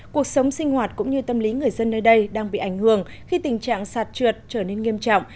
cuộc sống sinh hoạt cũng như tâm lý người dân nơi đây đang bị ảnh hưởng khi tình trạng sạt trượt trở nên nghiêm trọng